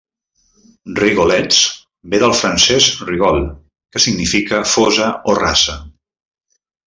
"Rigolets" ve del francès "rigole", que significa "fossa" o "rasa".